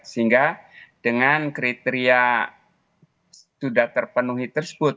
sehingga dengan kriteria sudah terpenuhi tersebut